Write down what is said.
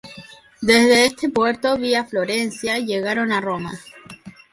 Desde este puerto, vía Florencia, llegaron a Roma.